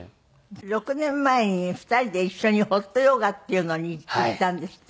６年前に２人で一緒にホットヨガっていうのに行ったんですって？